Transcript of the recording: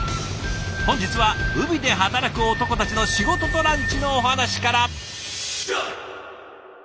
本日は海で働く男たちの仕事とランチのお話から。